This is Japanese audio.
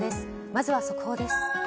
まずは速報です。